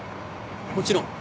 もちろん。